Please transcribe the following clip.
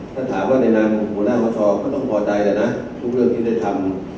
ถ้าถามว่าในนามหัวหน้าคอสชก็ต้องพอใจแล้วนะทุกเรื่องที่ได้ทำ